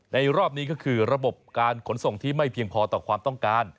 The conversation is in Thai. รอบนี้ก็คือระบบการขนส่งที่ไม่เพียงพอต่อความต้องการ